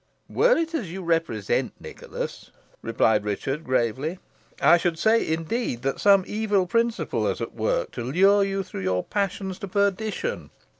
"Were it as you represent, Nicholas," replied Richard, gravely, "I should say, indeed, that some evil principle was at work to lure you through your passions to perdition.